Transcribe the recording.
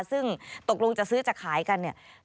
ซึ่งตกลงจะซื้อจะขายกัน